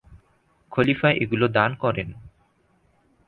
খলিফা এগুলো দান করেন।